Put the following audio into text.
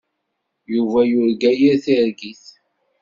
Yuba yurga yir targit.